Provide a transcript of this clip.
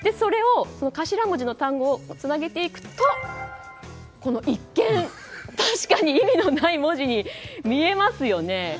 その頭文字の単語をつなげていくと一見、確かに意味のない文字に見えますよね。